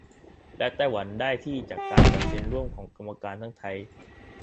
และไต้หวันได้ที่ จากการตัดสินร่วมของกรรมการทั้งไทย